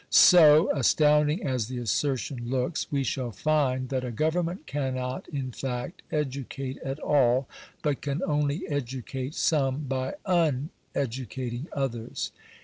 827), so, astounding as the assertion looks, we shall find that a government cannot in fact educate at all, but can only educate some by ttfteducating others.